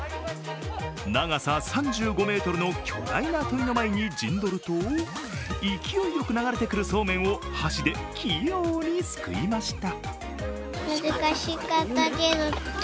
長さ３５ｍの巨大なといの前に陣取ると勢いよく流れてくるそうめんを箸で器用にすくいました。